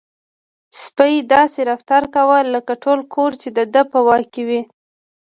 سپی داسې رفتار کاوه لکه ټول کور چې د ده په واک کې وي.